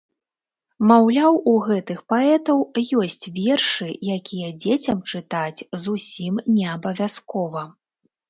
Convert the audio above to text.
Маўляў, у гэтых паэтаў ёсць вершы, якія дзецям чытаць зусім не абавязкова.